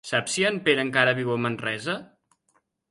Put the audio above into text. Saps si en Pere encara viu a Manresa?